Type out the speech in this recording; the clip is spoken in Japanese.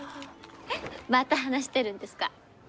また話してるんですか？